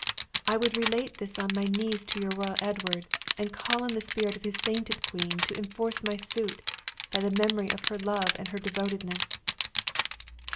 I would relate this on my knees, to your royal Edward, and call on the spirit of his sainted queen to enforce my suit, by the memory of her love and her devotedness."